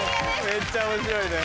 めっちゃ面白いね。